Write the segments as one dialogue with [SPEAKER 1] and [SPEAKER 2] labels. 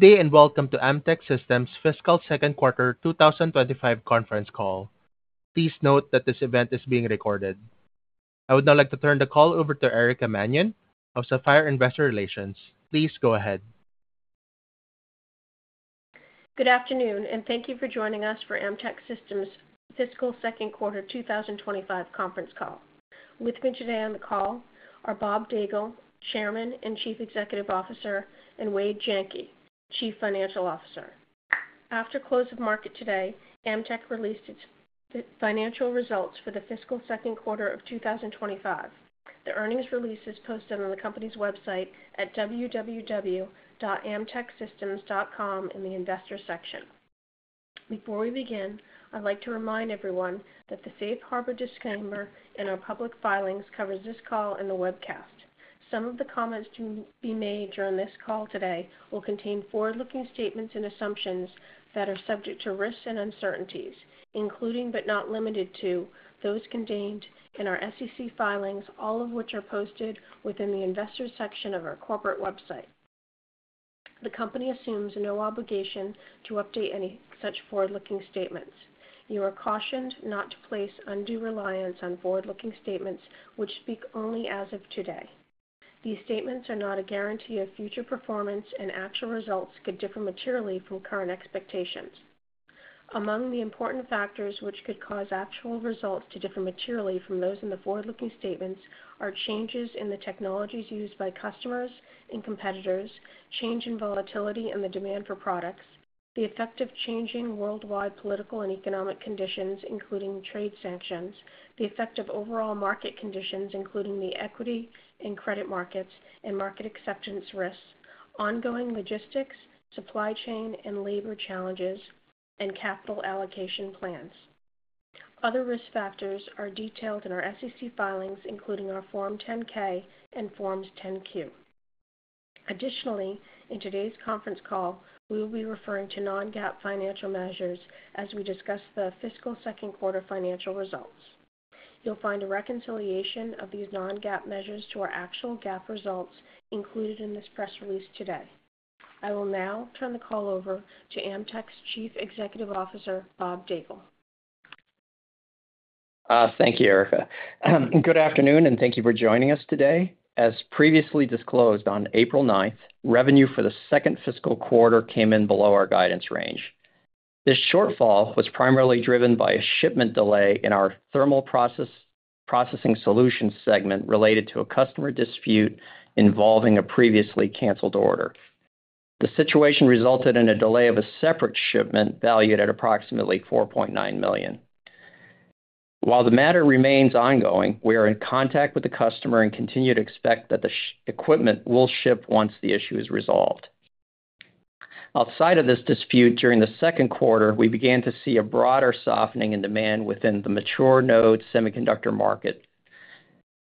[SPEAKER 1] Good day and welcome to Amtech Systems' fiscal second quarter 2025 conference call. Please note that this event is being recorded. I would now like to turn the call over to Erica Mannion of Sapphire Investor Relations. Please go ahead.
[SPEAKER 2] Good afternoon, and thank you for joining us for Amtech Systems' fiscal Second Quarter 2025 conference call. With me today on the call are Bob Daigle, Chairman and Chief Executive Officer, and Wade Jenke, Chief Financial Officer. After close of market today, Amtech released its financial results for the fiscal second quarter of 2025. The earnings release is posted on the company's website at www.amtechsystems.com in the Investor section. Before we begin, I'd like to remind everyone that the safe harbor disclaimer in our public filings covers this call and the webcast. Some of the comments to be made during this call today will contain forward-looking statements and assumptions that are subject to risks and uncertainties, including but not limited to those contained in our SEC filings, all of which are posted within the Investor section of our corporate website. The company assumes no obligation to update any such forward-looking statements. You are cautioned not to place undue reliance on forward-looking statements, which speak only as of today. These statements are not a guarantee of future performance, and actual results could differ materially from current expectations. Among the important factors which could cause actual results to differ materially from those in the forward-looking statements are changes in the technologies used by customers and competitors, change in volatility and the demand for products, the effect of changing worldwide political and economic conditions, including trade sanctions, the effect of overall market conditions, including the equity and credit markets and market acceptance risks, ongoing logistics, supply chain and labor challenges, and capital allocation plans. Other risk factors are detailed in our SEC filings, including our Form 10-K and Forms 10-Q. Additionally, in today's conference call, we will be referring to non-GAAP financial measures as we discuss the fiscal second quarter financial results. You'll find a reconciliation of these non-GAAP measures to our actual GAAP results included in this press release today. I will now turn the call over to Amtech's Chief Executive Officer, Bob Daigle.
[SPEAKER 3] Thank you, Erica. Good afternoon, and thank you for joining us today. As previously disclosed on April 9th, revenue for the second fiscal quarter came in below our guidance range. This shortfall was primarily driven by a shipment delay in our thermal processing solutions segment related to a customer dispute involving a previously canceled order. The situation resulted in a delay of a separate shipment valued at approximately $4.9 million. While the matter remains ongoing, we are in contact with the customer and continue to expect that the equipment will ship once the issue is resolved. Outside of this dispute, during the second quarter, we began to see a broader softening in demand within the mature node semiconductor market,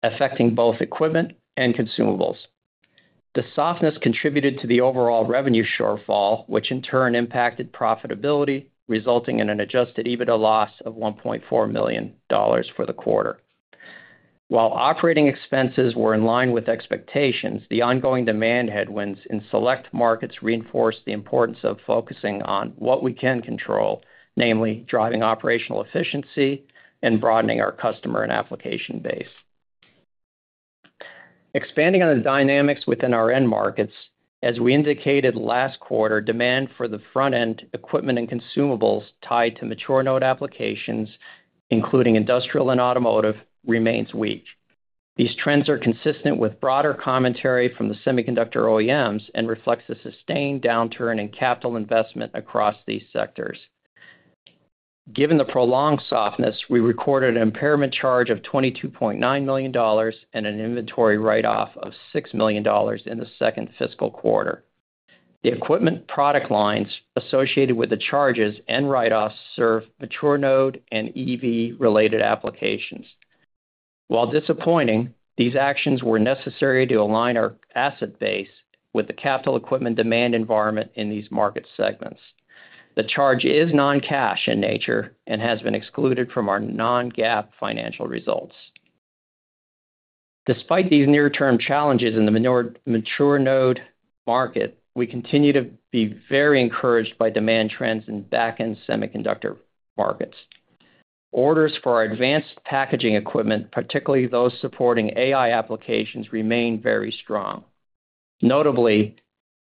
[SPEAKER 3] affecting both equipment and consumables. The softness contributed to the overall revenue shortfall, which in turn impacted profitability, resulting in an adjusted EBITDA loss of $1.4 million for the quarter. While operating expenses were in line with expectations, the ongoing demand headwinds in select markets reinforced the importance of focusing on what we can control, namely driving operational efficiency and broadening our customer and application base. Expanding on the dynamics within our end markets, as we indicated last quarter, demand for the front-end equipment and consumables tied to mature node applications, including industrial and automotive, remains weak. These trends are consistent with broader commentary from the semiconductor OEMs and reflect the sustained downturn in capital investment across these sectors. Given the prolonged softness, we recorded an impairment charge of $22.9 million and an inventory write-off of $6 million in the second fiscal quarter. The equipment product lines associated with the charges and write-offs serve mature node and EV-related applications. While disappointing, these actions were necessary to align our asset base with the capital equipment demand environment in these market segments. The charge is non-cash in nature and has been excluded from our non-GAAP financial results. Despite these near-term challenges in the mature node market, we continue to be very encouraged by demand trends in back-end semiconductor markets. Orders for our advanced packaging equipment, particularly those supporting AI applications, remain very strong. Notably,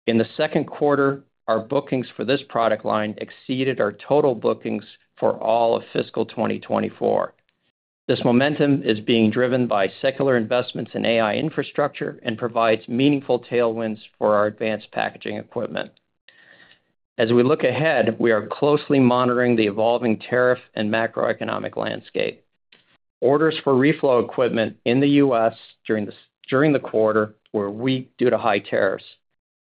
[SPEAKER 3] in the second quarter, our bookings for this product line exceeded our total bookings for all of fiscal 2024. This momentum is being driven by secular investments in AI infrastructure and provides meaningful tailwinds for our advanced packaging equipment. As we look ahead, we are closely monitoring the evolving tariff and macroeconomic landscape. Orders for reflow equipment in the U.S. during the quarter were weak due to high tariffs.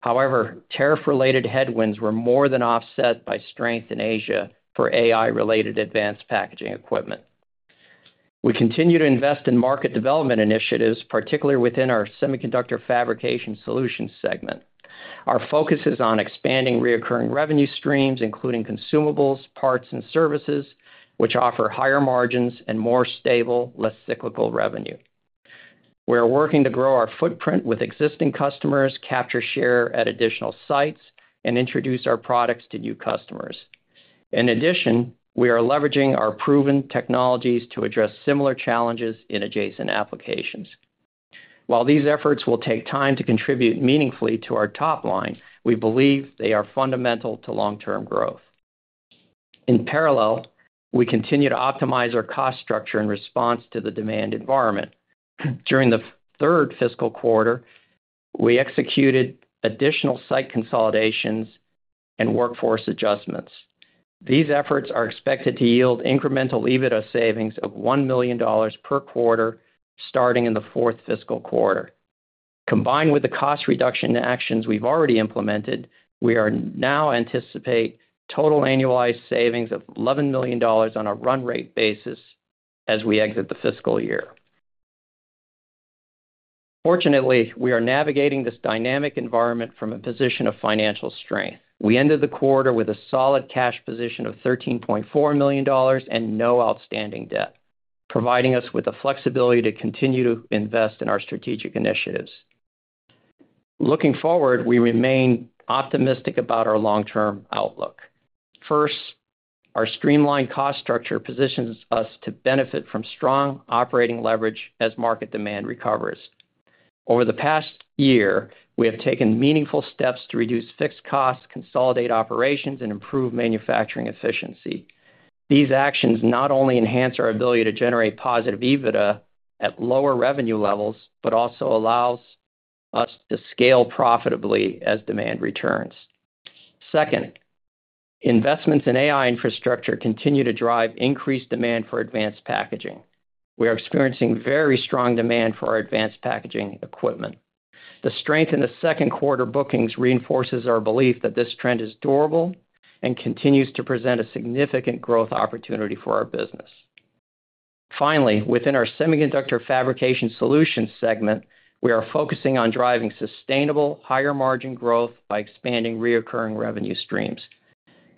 [SPEAKER 3] However, tariff-related headwinds were more than offset by strength in Asia for AI-related advanced packaging equipment. We continue to invest in market development initiatives, particularly within our Semiconductor Fabrication Solutions segment. Our focus is on expanding recurring revenue streams, including consumables, parts, and services, which offer higher margins and more stable, less cyclical revenue. We are working to grow our footprint with existing customers, capture share at additional sites, and introduce our products to new customers. In addition, we are leveraging our proven technologies to address similar challenges in adjacent applications. While these efforts will take time to contribute meaningfully to our top line, we believe they are fundamental to long-term growth. In parallel, we continue to optimize our cost structure in response to the demand environment. During the third fiscal quarter, we executed additional site consolidations and workforce adjustments. These efforts are expected to yield incremental EBITDA savings of $1 million per quarter, starting in the fourth fiscal quarter. Combined with the cost reduction actions we've already implemented, we now anticipate total annualized savings of $11 million on a run rate basis as we exit the fiscal year. Fortunately, we are navigating this dynamic environment from a position of financial strength. We ended the quarter with a solid cash position of $13.4 million and no outstanding debt, providing us with the flexibility to continue to invest in our strategic initiatives. Looking forward, we remain optimistic about our long-term outlook. First, our streamlined cost structure positions us to benefit from strong operating leverage as market demand recovers. Over the past year, we have taken meaningful steps to reduce fixed costs, consolidate operations, and improve manufacturing efficiency. These actions not only enhance our ability to generate positive EBITDA at lower revenue levels, but also allow us to scale profitably as demand returns. Second, investments in AI infrastructure continue to drive increased demand for advanced packaging. We are experiencing very strong demand for our advanced packaging equipment. The strength in the second quarter bookings reinforces our belief that this trend is durable and continues to present a significant growth opportunity for our business. Finally, within our Semiconductor Fabrication Solutions segment, we are focusing on driving sustainable, higher-margin growth by expanding reoccurring revenue streams.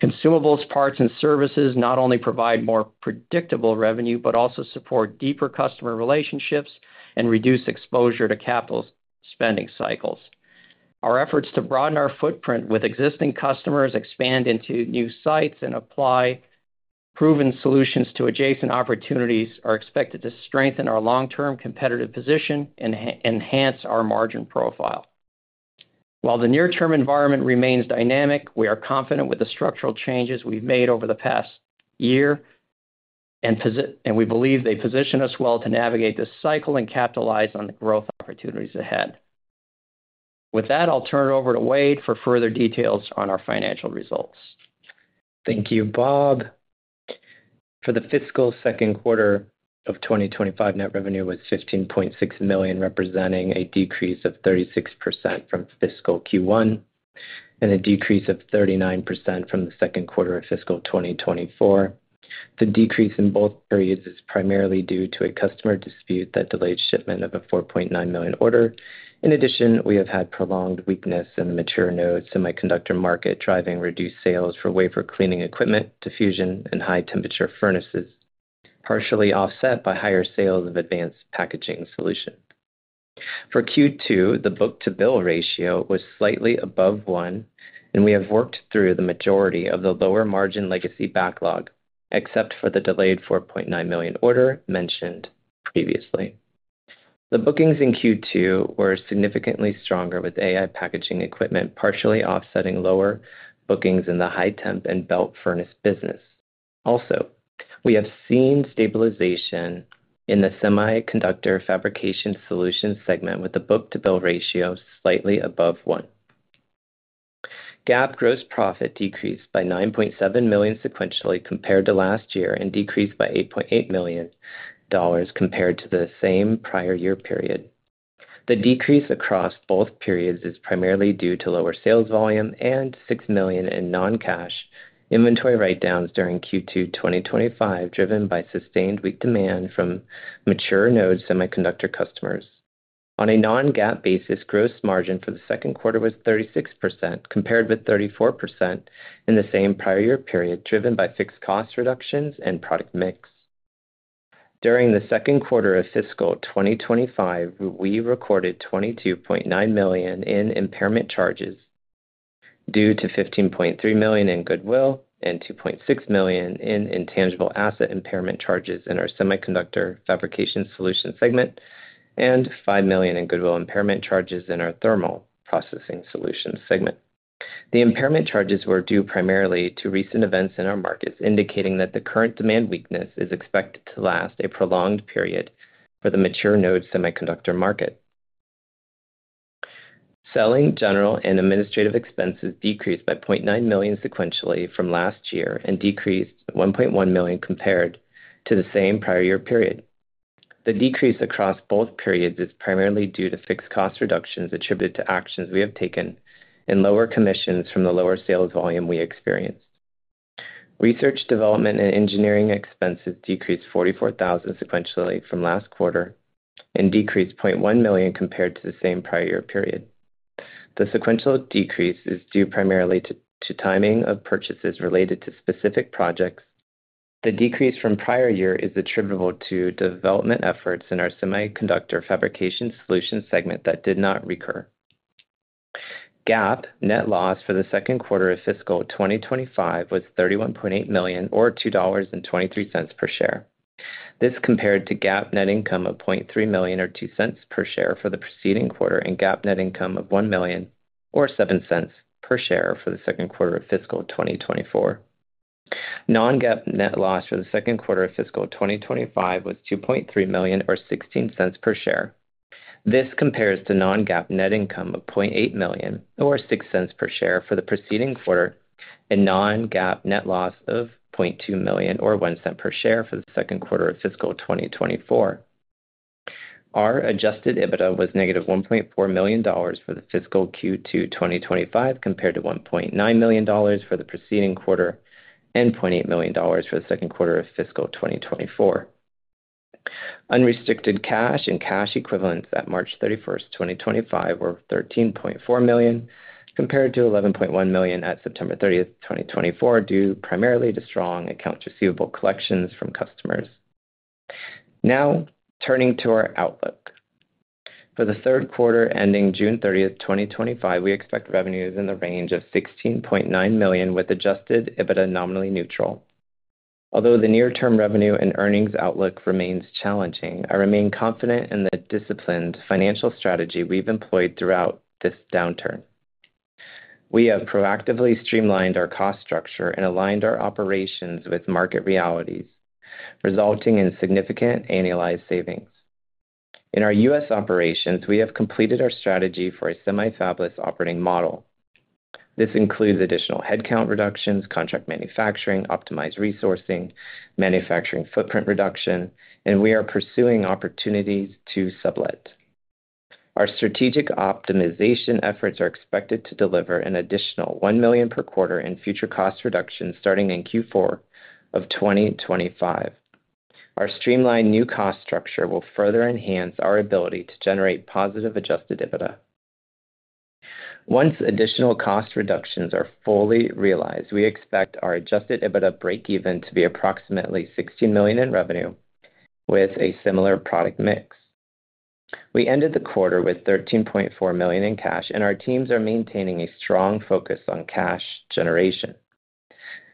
[SPEAKER 3] Consumables, parts, and services not only provide more predictable revenue, but also support deeper customer relationships and reduce exposure to capital spending cycles. Our efforts to broaden our footprint with existing customers, expand into new sites, and apply proven solutions to adjacent opportunities are expected to strengthen our long-term competitive position and enhance our margin profile. While the near-term environment remains dynamic, we are confident with the structural changes we have made over the past year, and we believe they position us well to navigate this cycle and capitalize on the growth opportunities ahead. With that, I will turn it over to Wade for further details on our financial results.
[SPEAKER 4] Thank you, Bob. For the fiscal second quarter of 2025, net revenue was $15.6 million, representing a decrease of 36% from fiscal Q1 and a decrease of 39% from the second quarter of fiscal 2024. The decrease in both periods is primarily due to a customer dispute that delayed shipment of a $4.9 million order. In addition, we have had prolonged weakness in the mature node semiconductor market, driving reduced sales for wafer cleaning equipment, diffusion, and high-temperature furnaces, partially offset by higher sales of advanced packaging solutions. For Q2, the book-to-bill ratio was slightly above one, and we have worked through the majority of the lower-margin legacy backlog, except for the delayed $4.9 million order mentioned previously. The bookings in Q2 were significantly stronger, with AI packaging equipment partially offsetting lower bookings in the high-temp and Belt Furnace business. Also, we have seen stabilization in the Semiconductor Fabrication Solutions segment, with the book-to-bill ratio slightly above one. GAAP gross profit decreased by $9.7 million sequentially compared to last year and decreased by $8.8 million compared to the same prior year period. The decrease across both periods is primarily due to lower sales volume and $6 million in non-cash inventory write-downs during Q2 2025, driven by sustained weak demand from mature node semiconductor customers. On a non-GAAP basis, gross margin for the second quarter was 36%, compared with 34% in the same prior year period, driven by fixed cost reductions and product mix. During the second quarter of fiscal 2025, we recorded $22.9 million in impairment charges due to $15.3 million in goodwill and $2.6 million in intangible asset impairment charges in our Semiconductor Fabrication Solutions segment, and $5 million in goodwill impairment charges in our thermal processing solutions segment. The impairment charges were due primarily to recent events in our markets, indicating that the current demand weakness is expected to last a prolonged period for the mature node semiconductor market. Selling, general, and administrative expenses decreased by $0.9 million sequentially from last year and decreased by $1.1 million compared to the same prior year period. The decrease across both periods is primarily due to fixed cost reductions attributed to actions we have taken and lower commissions from the lower sales volume we experienced. Research, development, and engineering expenses decreased $44,000 sequentially from last quarter and decreased by $0.1 million compared to the same prior year period. The sequential decrease is due primarily to timing of purchases related to specific projects. The decrease from prior year is attributable to development efforts in our Semiconductor Fabrication Solutions segment that did not recur. GAAP net loss for the second quarter of fiscal 2025 was $31.8 million, or $2.23 per share. This compared to GAAP net income of $0.3 million, or $0.02 per share for the preceding quarter, and GAAP net income of $1.07 per share for the second quarter of fiscal 2024. Non-GAAP net loss for the second quarter of fiscal 2025 was $2.3 million, or $0.16 per share. This compares to non-GAAP net income of $0.8 million, or $0.06 per share for the preceding quarter, and non-GAAP net loss of $0.2 million, or $0.01 per share for the second quarter of fiscal 2024. Our adjusted EBITDA was -$1.4 million for the fiscal Q2 2025, compared to $1.9 million for the preceding quarter and $0.8 million for the second quarter of fiscal 2024. Unrestricted cash and cash equivalents at March 31, 2025, were $13.4 million, compared to $11.1 million at September 30, 2024, due primarily to strong accounts receivable collections from customers. Now, turning to our outlook. For the third quarter ending June 30, 2025, we expect revenues in the range of $16.9 million, with adjusted EBITDA nominally neutral. Although the near-term revenue and earnings outlook remains challenging, I remain confident in the disciplined financial strategy we've employed throughout this downturn. We have proactively streamlined our cost structure and aligned our operations with market realities, resulting in significant annualized savings. In our U.S. operations, we have completed our strategy for a semi-fabless operating model. This includes additional headcount reductions, contract manufacturing, optimized resourcing, manufacturing footprint reduction, and we are pursuing opportunities to sublet. Our strategic optimization efforts are expected to deliver an additional $1 million per quarter in future cost reductions starting in Q4 of 2025. Our streamlined new cost structure will further enhance our ability to generate positive adjusted EBITDA. Once additional cost reductions are fully realized, we expect our adjusted EBITDA break-even to be approximately $16 million in revenue with a similar product mix. We ended the quarter with $13.4 million in cash, and our teams are maintaining a strong focus on cash generation.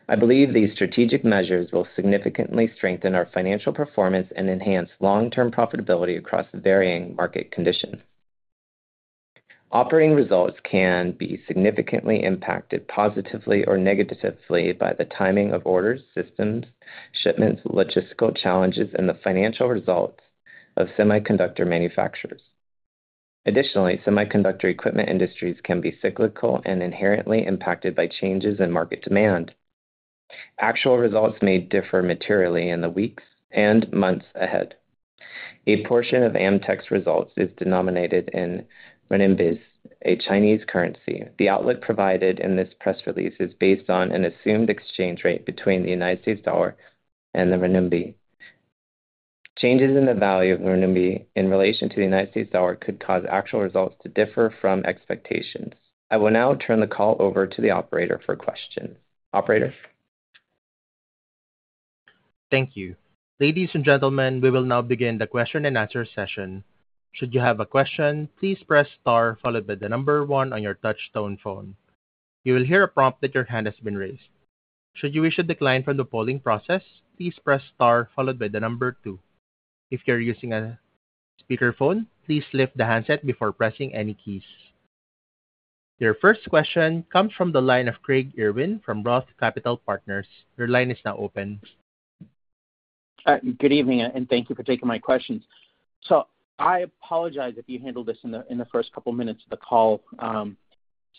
[SPEAKER 4] I believe these strategic measures will significantly strengthen our financial performance and enhance long-term profitability across varying market conditions. Operating results can be significantly impacted positively or negatively by the timing of orders, systems, shipments, logistical challenges, and the financial results of semiconductor manufacturers. Additionally, semiconductor equipment industries can be cyclical and inherently impacted by changes in market demand. Actual results may differ materially in the weeks and months ahead. A portion of Amtech's results is denominated in renminbi, a Chinese currency. The outlook provided in this press release is based on an assumed exchange rate between the United States dollar and the renminbi. Changes in the value of renminbi in relation to the United States dollar could cause actual results to differ from expectations. I will now turn the call over to the operator for questions. Operator.
[SPEAKER 1] Thank you. Ladies and gentlemen, we will now begin the question-and-answer session. Should you have a question, please press * followed by the number 1 on your touchstone phone. You will hear a prompt that your hand has been raised. Should you wish to decline from the polling process, please press * followed by the number 2. If you're using a speakerphone, please lift the handset before pressing any keys. Your first question comes from the line of Craig Irwin from Roth Capital Partners. Your line is now open.
[SPEAKER 5] Good evening, and thank you for taking my questions. I apologize if you handled this in the first couple of minutes of the call,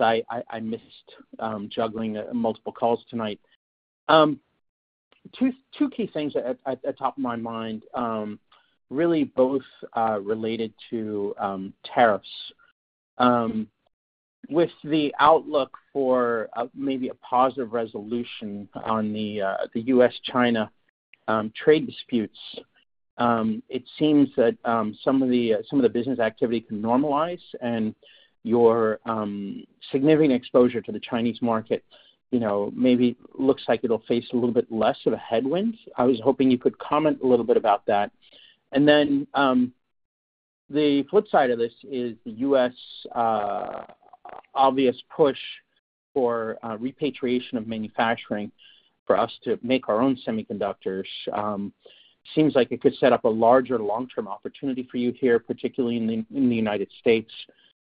[SPEAKER 5] I missed juggling multiple calls tonight. Two key things at the top of my mind, really both related to tariffs. With the outlook for maybe a positive resolution on the U.S.-China trade disputes, it seems that some of the business activity can normalize, and your significant exposure to the Chinese market maybe looks like it'll face a little bit less of a headwind. I was hoping you could comment a little bit about that. The flip side of this is the U.S. obvious push for repatriation of manufacturing for us to make our own semiconductors. It seems like it could set up a larger long-term opportunity for you here, particularly in the United States.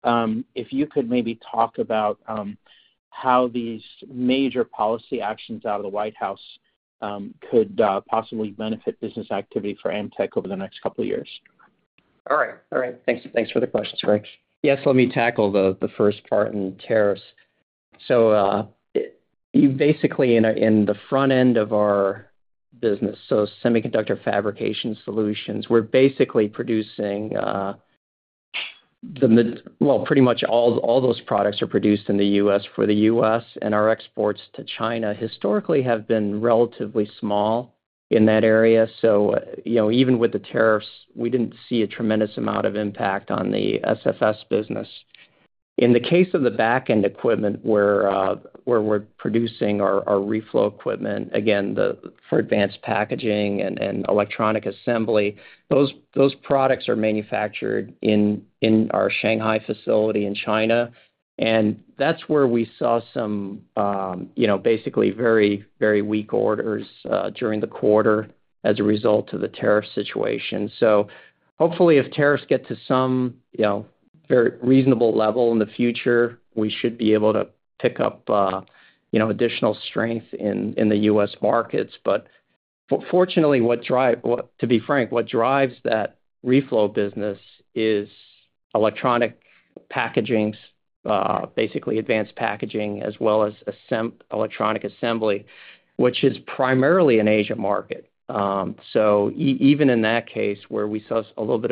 [SPEAKER 5] If you could maybe talk about how these major policy actions out of the White House could possibly benefit business activity for Amtech over the next couple of years.
[SPEAKER 4] All right. All right. Thanks for the questions, Craig.
[SPEAKER 3] Yes. Let me tackle the first part on tariffs. Basically, in the front end of our business, so Semiconductor Fabrication Solutions, we're basically producing, well, pretty much all those products are produced in the U.S. for the U.S., and our exports to China historically have been relatively small in that area. Even with the tariffs, we did not see a tremendous amount of impact on the SFS business. In the case of the back-end equipment where we're producing our reflow equipment, again, for advanced packaging and electronic assembly, those products are manufactured in our Shanghai facility in China. That is where we saw some basically very, very weak orders during the quarter as a result of the tariff situation. Hopefully, if tariffs get to some very reasonable level in the future, we should be able to pick up additional strength in the U.S. markets. Fortunately, to be frank, what drives that reflow business is electronic packaging, basically advanced packaging, as well as electronic assembly, which is primarily an Asia market. Even in that case, where we saw a little bit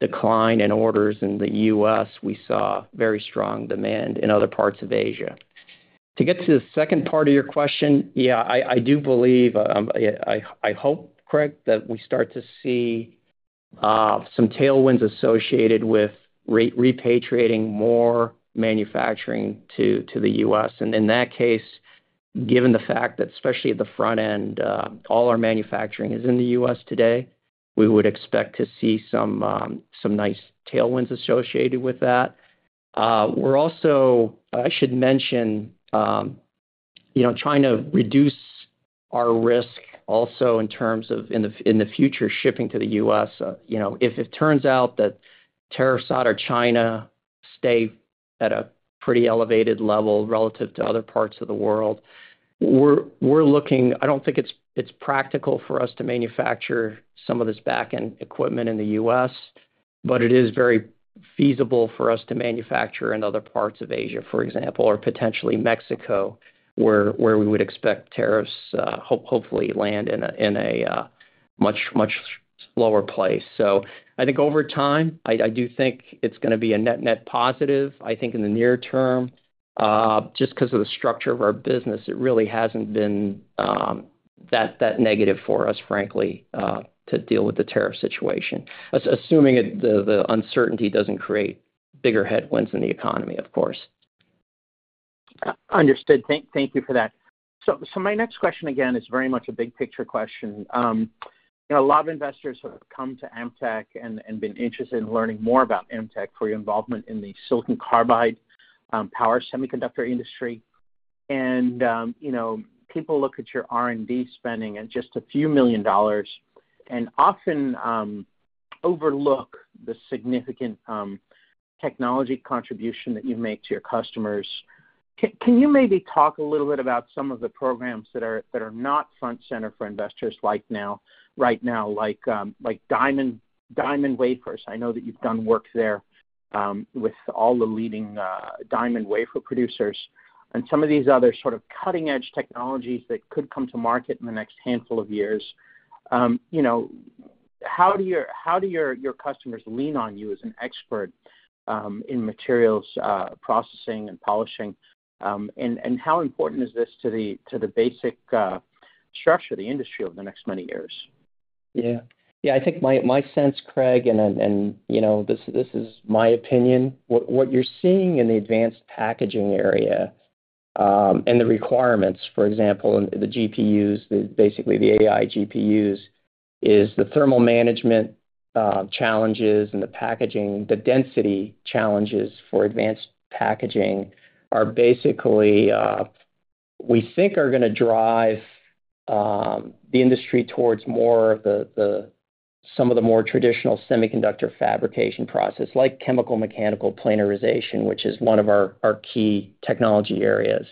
[SPEAKER 3] of decline in orders in the U.S., we saw very strong demand in other parts of Asia. To get to the second part of your question, yeah, I do believe, I hope, Craig, that we start to see some tailwinds associated with repatriating more manufacturing to the U.S. In that case, given the fact that especially at the front end, all our manufacturing is in the U.S. today, we would expect to see some nice tailwinds associated with that. I should mention trying to reduce our risk also in terms of, in the future, shipping to the U.S. If it turns out that tariffs out of China stay at a pretty elevated level relative to other parts of the world, I do not think it is practical for us to manufacture some of this back-end equipment in the U.S., but it is very feasible for us to manufacture in other parts of Asia, for example, or potentially Mexico, where we would expect tariffs hopefully land in a much lower place. I think over time, I do think it is going to be a net-net positive. I think in the near term, just because of the structure of our business, it really has not been that negative for us, frankly, to deal with the tariff situation, assuming the uncertainty does not create bigger headwinds in the economy, of course.
[SPEAKER 5] Understood. Thank you for that. My next question, again, is very much a big-picture question. A lot of investors have come to Amtech and been interested in learning more about Amtech for your involvement in the silicon carbide power semiconductor industry. People look at your R&D spending at just a few million dollars and often overlook the significant technology contribution that you make to your customers. Can you maybe talk a little bit about some of the programs that are not front-center for investors right now, like Diamond Wafers? I know that you've done work there with all the leading Diamond Wafer producers and some of these other sort of cutting-edge technologies that could come to market in the next handful of years. How do your customers lean on you as an expert in materials processing and polishing? How important is this to the basic structure, the industry over the next many years?
[SPEAKER 3] Yeah. Yeah. I think my sense, Craig, and this is my opinion, what you're seeing in the advanced packaging area and the requirements, for example, the GPUs, basically the AI GPUs, is the thermal management challenges and the packaging, the density challenges for advanced packaging are basically, we think, are going to drive the industry towards more of some of the more traditional Semiconductor Fabrication process, like chemical mechanical planarization, which is one of our key technology areas.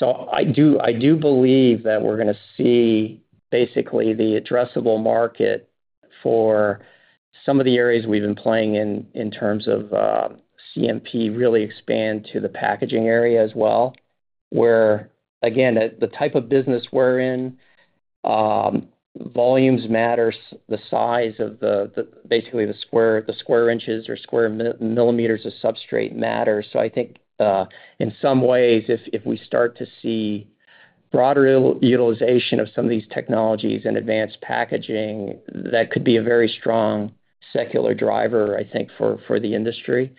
[SPEAKER 3] I do believe that we're going to see basically the addressable market for some of the areas we've been playing in in terms of CMP really expand to the packaging area as well, where, again, the type of business we're in, volumes matter, the size of basically the square inches or square millimeters of substrate matter. I think in some ways, if we start to see broader utilization of some of these technologies and advanced packaging, that could be a very strong secular driver, I think, for the industry.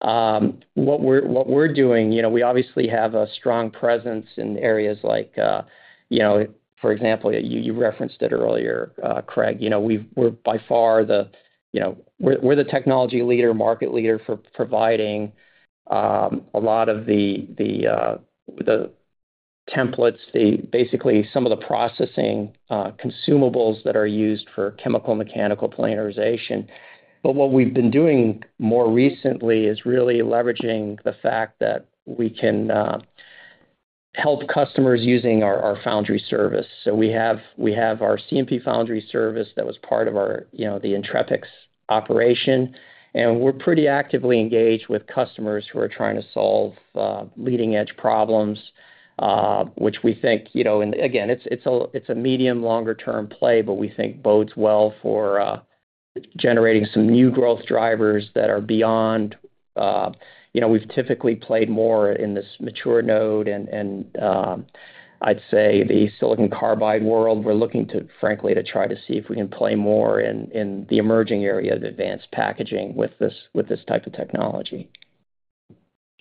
[SPEAKER 3] What we're doing, we obviously have a strong presence in areas like, for example, you referenced it earlier, Craig. We're by far the technology leader, market leader for providing a lot of the templates, basically some of the processing consumables that are used for chemical mechanical planarization. What we've been doing more recently is really leveraging the fact that we can help customers using our foundry service. We have our CMP foundry service that was part of the Entrepix operation. We are pretty actively engaged with customers who are trying to solve leading-edge problems, which we think, again, is a medium-longer-term play, but we think bodes well for generating some new growth drivers that are beyond. We have typically played more in this mature node and, I'd say, the silicon carbide world. We are looking to, frankly, try to see if we can play more in the emerging area of advanced packaging with this type of technology.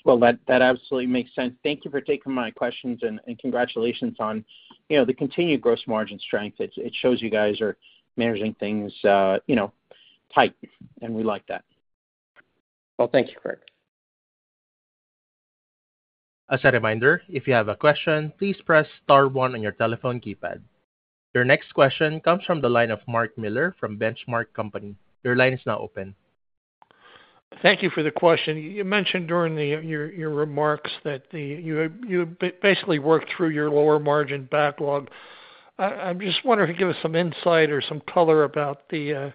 [SPEAKER 5] That absolutely makes sense. Thank you for taking my questions, and congratulations on the continued gross margin strength. It shows you guys are managing things tight, and we like that.
[SPEAKER 3] Thank you, Craig.
[SPEAKER 1] As a reminder, if you have a question, please press * on your telephone keypad. Your next question comes from the line of Mark Miller from Benchmark Company. Your line is now open.
[SPEAKER 6] Thank you for the question. You mentioned during your remarks that you basically worked through your lower margin backlog. I'm just wondering if you can give us some insight or some color about the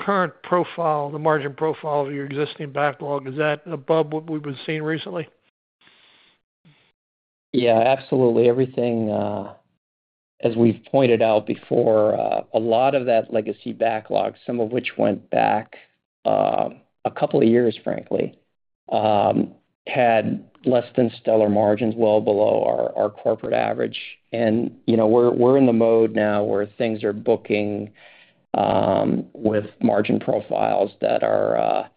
[SPEAKER 6] current profile, the margin profile of your existing backlog. Is that above what we've been seeing recently?
[SPEAKER 3] Yeah, absolutely. Everything, as we've pointed out before, a lot of that legacy backlog, some of which went back a couple of years, frankly, had less than stellar margins, well below our corporate average. We're in the mode now where things are booking with margin profiles that are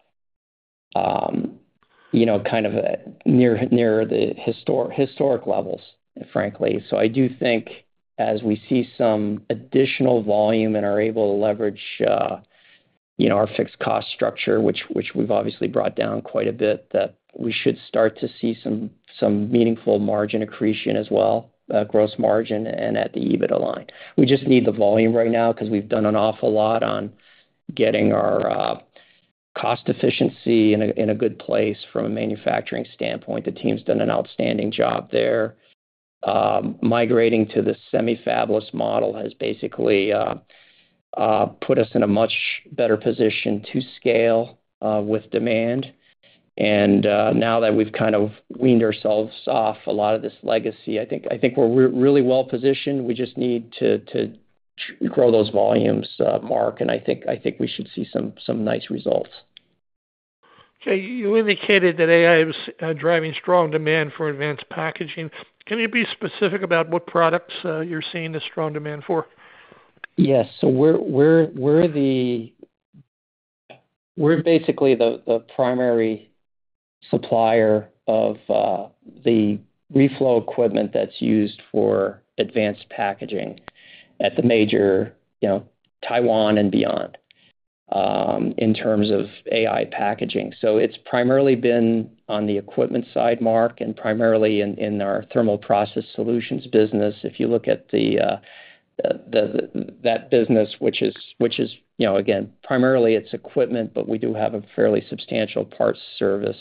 [SPEAKER 3] kind of near the historic levels, frankly. I do think as we see some additional volume and are able to leverage our fixed cost structure, which we've obviously brought down quite a bit, that we should start to see some meaningful margin accretion as well, gross margin and at the EBITDA line. We just need the volume right now because we've done an awful lot on getting our cost efficiency in a good place from a manufacturing standpoint. The team's done an outstanding job there. Migrating to the semi-fabless model has basically put us in a much better position to scale with demand. Now that we've kind of weaned ourselves off a lot of this legacy, I think we're really well positioned. We just need to grow those volumes, Mark, and I think we should see some nice results.
[SPEAKER 6] Okay. You indicated that AI was driving strong demand for advanced packaging. Can you be specific about what products you're seeing the strong demand for?
[SPEAKER 3] Yes. We are basically the primary supplier of the reflow equipment that's used for advanced packaging at the major Taiwan and beyond in terms of AI packaging. It has primarily been on the equipment side, Mark, and primarily in our thermal process solutions business. If you look at that business, which is, again, primarily its equipment, but we do have a fairly substantial parts service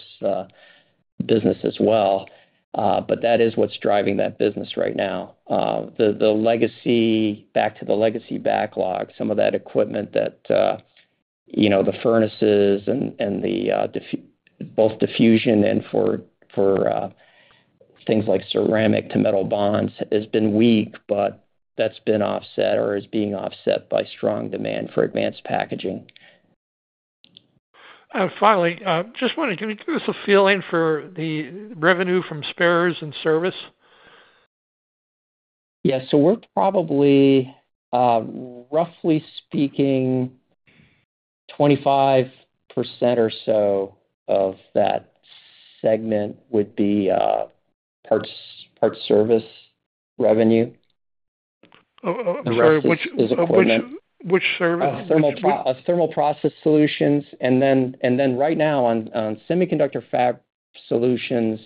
[SPEAKER 3] business as well. That is what's driving that business right now. Back to the legacy backlog, some of that equipment, the furnaces and both diffusion and for things like ceramic to metal bonds, has been weak, but that's been offset or is being offset by strong demand for advanced packaging.
[SPEAKER 6] Finally, just wondering, can you give us a feeling for the revenue from spares and service?
[SPEAKER 3] Yeah. So we're probably, roughly speaking, 25% or so of that segment would be parts service revenue.
[SPEAKER 6] I'm sorry. Which service?
[SPEAKER 3] Thermal process solutions. Right now, on Semiconductor Fab Solutions,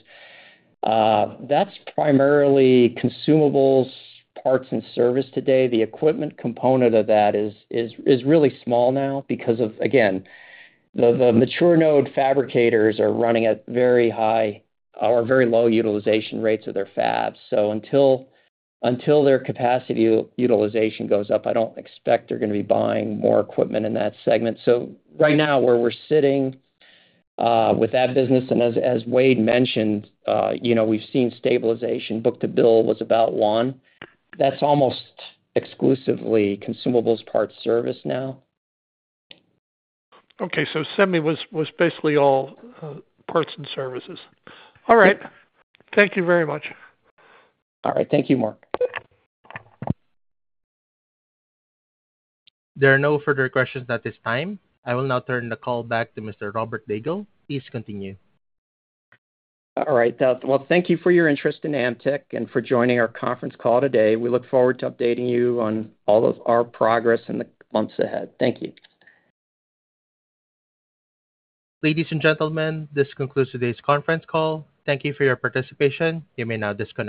[SPEAKER 3] that's primarily consumables, parts, and service today. The equipment component of that is really small now because, again, the mature node fabricators are running at very high or very low utilization rates of their fabs. Until their capacity utilization goes up, I don't expect they're going to be buying more equipment in that segment. Right now, where we're sitting with that business, and as Wade mentioned, we've seen stabilization. Book-to-bill was about one. That's almost exclusively consumables, parts, service now.
[SPEAKER 6] Okay. So semi was basically all parts and services. All right. Thank you very much.
[SPEAKER 3] All right. Thank you, Mark.
[SPEAKER 1] There are no further questions at this time. I will now turn the call back to Mr. Robert Daigle. Please continue.
[SPEAKER 3] All right. Thank you for your interest in Amtech and for joining our conference call today. We look forward to updating you on all of our progress in the months ahead. Thank you.
[SPEAKER 1] Ladies and gentlemen, this concludes today's conference call. Thank you for your participation. You may now disconnect.